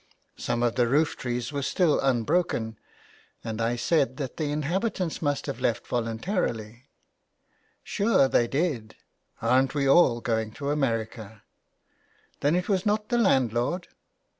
Some of the roof trees were still un broken, and I said that the inhabitants must have left voluntarily. " Sure they did. Arn't we all going to America." " Then it was not the landlord ?^ 203 JULIA CAHILL'S CURSE.